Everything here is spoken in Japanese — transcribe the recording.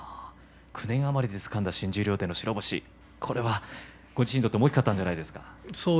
９年余りでつかんだ新十両の白星ご自身にとっても大きかったんじゃないですか？